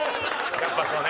やっぱそうね。